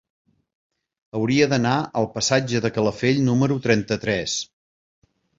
Hauria d'anar al passatge de Calafell número trenta-tres.